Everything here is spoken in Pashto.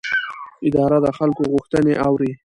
اداره د خلکو غوښتنې اوري.